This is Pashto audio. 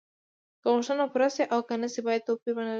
که غوښتنه پوره شي او که نشي باید توپیر ونلري.